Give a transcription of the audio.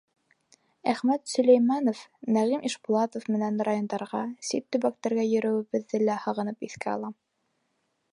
Әхмәт Сөләймәнов, Нәғим Ишбулатов менән райондарға, сит төбәктәргә йөрөүебеҙҙе лә һағынып иҫкә алам.